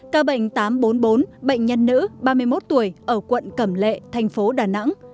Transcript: ca bệnh tám trăm bốn mươi bốn bệnh nhân nữ ba mươi một tuổi ở quận cẩm lệ thành phố đà nẵng